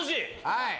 はい。